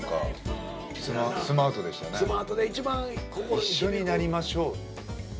「一緒になりましょう」